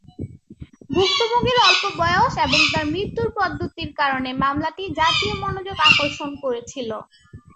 ভুক্তভোগীর অল্প বয়স এবং তার মৃত্যুর পদ্ধতির কারণে মামলাটি জাতীয় মনোযোগ আকর্ষণ করেছিল।